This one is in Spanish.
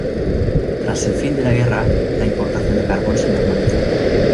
Tras el fin de la guerra, la importación de carbón se normalizó.